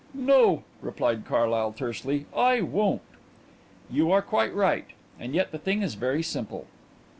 "No," replied Carlyle tersely; "I won't." "You are quite right. And yet the thing is very simple."